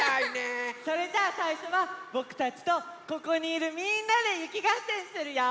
それじゃあさいしょはぼくたちとここにいるみんなでゆきがっせんするよ。